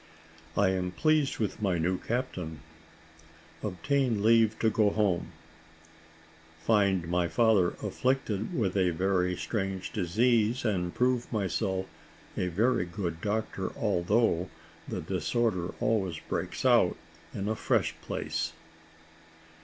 I AM PLEASED WITH MY NEW CAPTAIN OBTAIN LEAVE TO GO HOME FIND MY FATHER AFFLICTED WITH A VERY STRANGE DISEASE, AND PROVE MYSELF A VERY GOOD DOCTOR, ALTHOUGH THE DISORDER ALWAYS BREAKS OUT IN A FRESH PLACE.